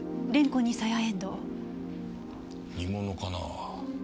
煮物かなぁ？